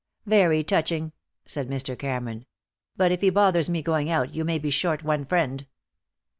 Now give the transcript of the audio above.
"Very touching," said Mr. Cameron, "but if he bothers me going out you may be short one friend.